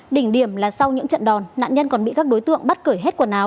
đỉnh điểm là sau những trận đòn nạn nhân còn bị các đối tượng bắt cởi hết quần áo